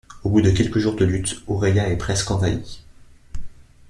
Au bout de quelques jours de lutte, Aurelia est presque envahie.